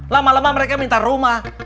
lama lama mereka minta rumah